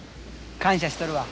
感謝しとるわ。